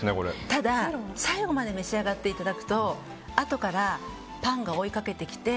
ただ、最後まで召し上がっていただくとあとからパンが追いかけてきて。